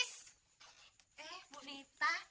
eh ibu nita